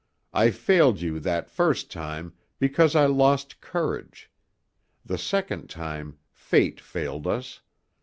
I failed you that first time because I lost courage; the second time, fate failed us.